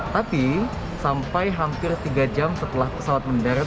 tapi sampai hampir tiga jam setelah pesawat mendarat